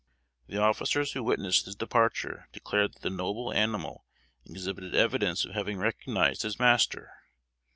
The officers who witnessed his departure, declared that the noble animal exhibited evidence of having recognized his master.